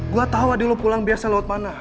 gue tau adil lo pulang biasa lewat mana